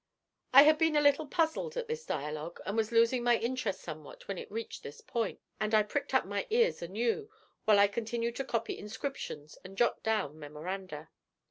I had been a little puzzled at this dialogue, and was losing my interest somewhat when it reached this point, and I pricked up my ears anew, while I continued to copy inscriptions and jot down memoranda.